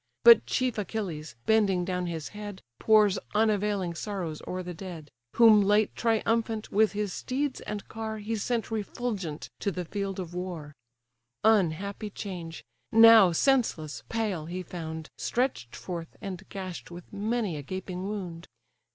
But chief Achilles, bending down his head, Pours unavailing sorrows o'er the dead, Whom late triumphant, with his steeds and car, He sent refulgent to the field of war; (Unhappy change!) now senseless, pale, he found, Stretch'd forth, and gash'd with many a gaping wound.